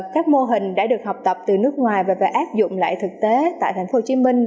các mô hình đã được học tập từ nước ngoài và áp dụng lại thực tế tại thành phố hồ chí minh